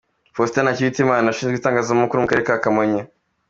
Faustin Ntakirutimana- Ushinzwe Itangazamakuru mu Karere ka Kamonyi.